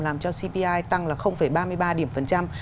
làm cho cpi tăng là ba mươi ba điểm phần trăm